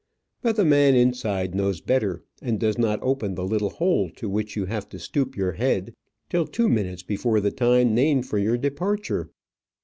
But the man inside knows better, and does not open the little hole to which you have to stoop your head till two minutes before the time named for your departure.